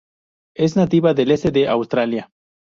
Es nativa del este de Australia.